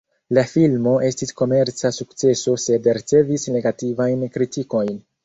La filmo estis komerca sukceso sed ricevis negativajn kritikojn.